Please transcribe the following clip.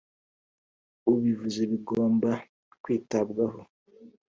ubuvuzi bugomba kwitabwaho.